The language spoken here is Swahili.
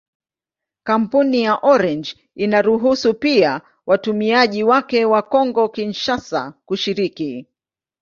Kampuni ya Orange inaruhusu pia watumiaji wake wa Kongo-Kinshasa kushiriki.